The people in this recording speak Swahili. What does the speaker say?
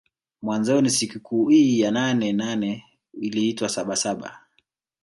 Mwanzoni sikukuu hii ya nane nane iliitwa saba saba